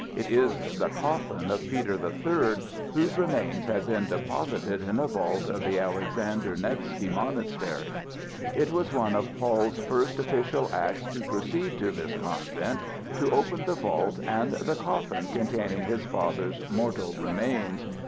It is the coffin of Peter the Third, whose remains had been deposited in a vault of the Alexander Nevski Monastery. It was one of Paul's first official acts to proceed to this convent, to open the vault and the coffin containing his father's mortal remains.